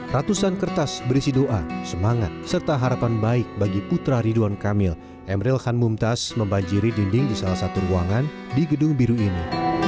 ratusan kertas berisi doa semangat serta harapan baik bagi putra ridwan kamil emril khan mumtaz membanjiri dinding di salah satu ruangan di gedung biru ini